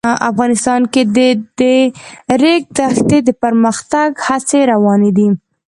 افغانستان کې د د ریګ دښتې د پرمختګ هڅې روانې دي.